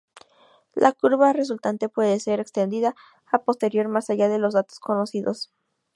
La curva resultante puede ser extendida a posterior más allá de los datos conocidos.